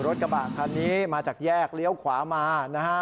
รถกระบะคันนี้มาจากแยกเลี้ยวขวามานะฮะ